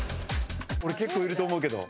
俺結構いると思うけど。